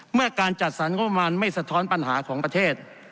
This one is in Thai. เมื่อการจัดสรรงบประมาณไม่สะท้อนปัญหาของประเทศ